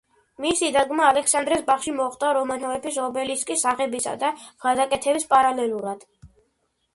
მისი დადგმა ალექსანდრეს ბაღში, მოხდა რომანოვების ობელისკის აღებისა და გადაკეთების პარალელურად.